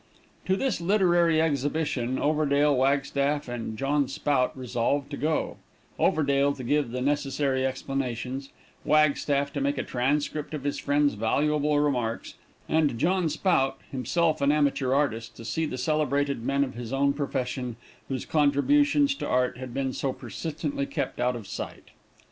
To this literary exhibition Overdale, Wagstaff, and John Spout resolved to go Overdale to give the necessary explanations, Wagstaff to make a transcript of his friend's valuable remarks, and John Spout (himself an amateur artist) to see the celebrated men of his own profession, whose contributions to art had been so persistently kept out of sight.